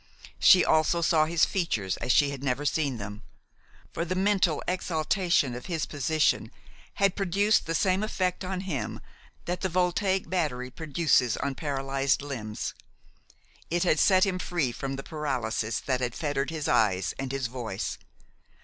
She also saw his features as she had never seen them; for the mental exaltation of his position had produced the same effect on him that the Voltaic battery produces on paralyzed limbs; it had set him free from the paralysis that had fettered his eyes and his voice.